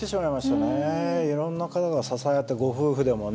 いろんな方が支え合ってご夫婦でもね。